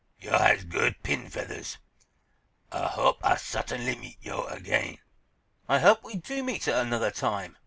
"Yo' has good pin feathers. Ah hope Ah'll suttinly meet yo' again." "I hope we do meet at another time!"